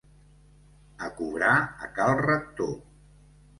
A cobrar, a cal rector!